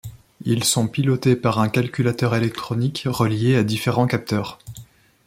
Ils sont pilotés par un calculateur électronique relié à différents capteurs.